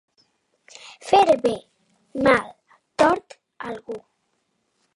Fer bé, mal, tort, a algú.